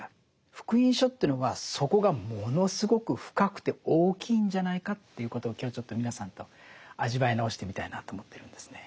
「福音書」というのはそこがものすごく深くて大きいんじゃないかということを今日ちょっと皆さんと味わい直してみたいなと思ってるんですね。